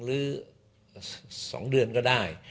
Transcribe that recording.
หรือ๒เดือนก็ได้